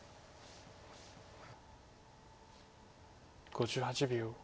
５８秒。